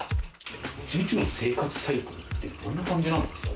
１日の生活サイクルってどんな感じなんですか？